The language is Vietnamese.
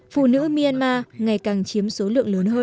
phụ nữ myanmar ngày càng chiếm số lượng lớn hơn